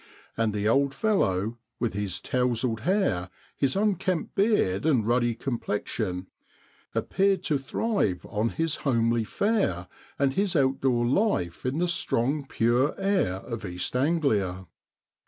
And the old fellow, with his tousled hair, his unkempt beard, and ruddy complexion, appeared to thrive on his homely fare and his outdoor life in the strong, pure air of East Anglia.